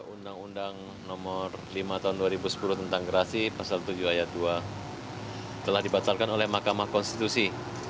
undang undang nomor lima tahun dua ribu sepuluh tentang gerasi pasal tujuh ayat dua telah dibatalkan oleh mahkamah konstitusi